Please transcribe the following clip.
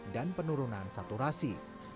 dan penurunan saturasi